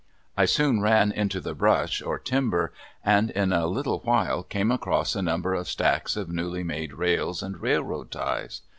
I soon ran into the brush, or timber, and in a little while came across a number of stacks of newly made rails and railroad ties.